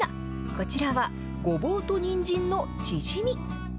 こちらは、ごぼうとにんじんのチヂミ。